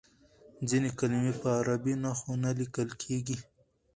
ځینې کلمې په عربي نښو نه لیکل کیږي.